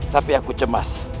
tapi aku cemas